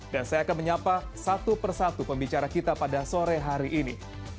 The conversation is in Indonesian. dan saya akan menyapa satu persatu pembicara kita pada sore hari ini